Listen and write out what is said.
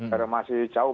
karena masih jauh